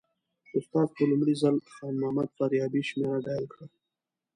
استاد په لومړي ځل خان محمد فاریابي شمېره ډایل کړه.